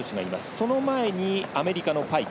その前にアメリカのパイク。